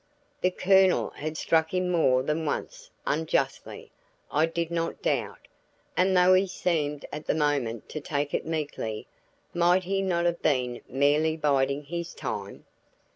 The Colonel had struck him more than once unjustly, I did not doubt and though he seemed at the moment to take it meekly, might he not have been merely biding his time?